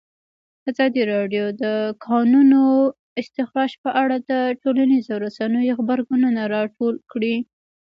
ازادي راډیو د د کانونو استخراج په اړه د ټولنیزو رسنیو غبرګونونه راټول کړي.